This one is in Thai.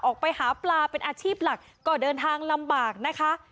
ออกไปหาปลาเป็นอาชีพหลักก็เดินทางลำบากนะคะ